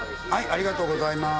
ありがとうございます。